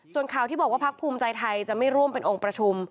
ส่วนข่าวที่บอกว่าพักภูมิใจไทยจะไม่ร่วมเป็นองค์ประชุม